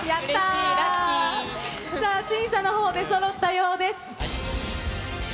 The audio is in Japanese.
さあ、審査のほう、出そろったようです。